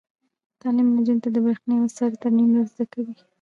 تعلیم نجونو ته د برښنايي وسایلو ترمیم ور زده کوي.